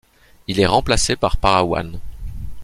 Il est remplacé par Para One.